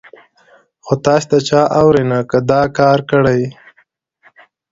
خو تاسې د چا اورئ نه، که دا کار کړئ.